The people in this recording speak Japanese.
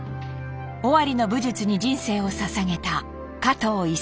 尾張の武術に人生をささげた加藤伊三男。